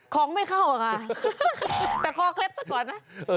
ของไม่เข้าไหมคะแต่คอเคล็ดด้วยนะ